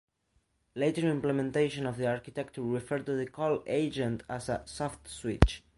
Later implementation of the architecture refer to the "Call Agent" as a "Softswitch".